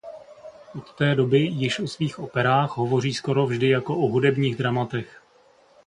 Od té doby již o svých operách hovoří skoro vždy jako o hudebních dramatech.